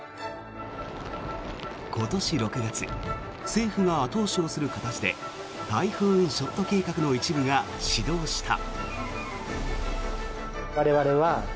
今年６月政府が後押しをする形でタイフーンショット計画の一部が始動した。